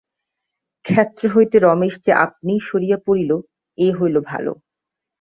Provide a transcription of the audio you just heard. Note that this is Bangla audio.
ক্ষেত্র হইতে রমেশ যে আপনিই সরিয়া পড়িল, এ হইল ভালো।